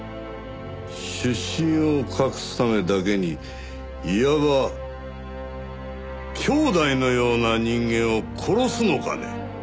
出身を隠すためだけにいわば兄弟のような人間を殺すのかね？